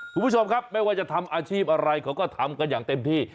คุณผู้ชมครับไม่ว่าจะทำอาชีพอะไรเขาก็ทำกันอย่างเต็มที่